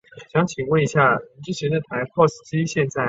伊顿是著名的公学伊顿公学的所在地。